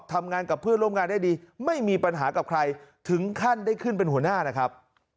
ทำงานกับเพื่อนร่วมงานได้ดีไม่มีปัญหากับใครถึงขั้นได้ขึ้นเป็นหัวหน้านะครับ